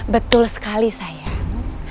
betul sekali sayang